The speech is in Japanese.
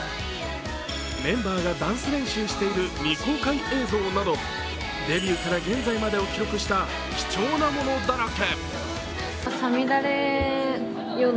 メンバーがダンス練習している未公開映像などデビューから現在までを記録した貴重なものだらけ。